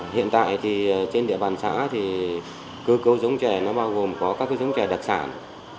hiện tại trên địa bàn xã cơ cấu giống trè bao gồm có các giống trè đặc sản